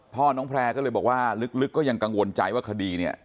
พ่อน้องแพร่ก็เลยบอกว่าลึกก็ยังกังวลใจว่าคดีเนี่ย